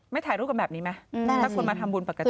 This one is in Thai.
ถ่ายรูปกันแบบนี้ไหมถ้าคนมาทำบุญปกติ